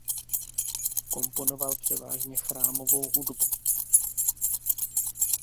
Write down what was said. Komponoval převážně chrámovou hudbu.